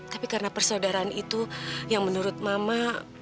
tapi karena persaudaraan itu yang menurut mama